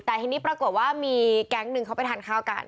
แต่ทีนี้ปรากฏว่ามีแก๊งนึงเขาไปทานข้าวกัน